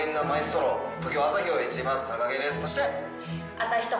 そして！